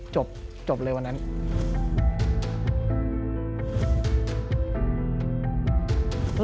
จบเลยวันนั้น